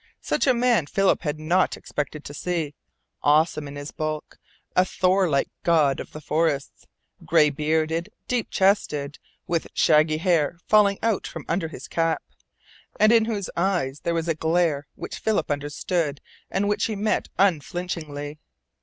Such a man Philip had not expected to see; awesome in his bulk, a Thorlike god of the forests, gray bearded, deep chested, with shaggy hair falling out from under his cap, and in whose eyes there was the glare which Philip understood and which he met unflinchingly.